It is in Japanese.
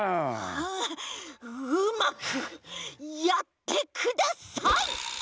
ああうまくやってください！